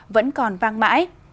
vẫn còn vang mãi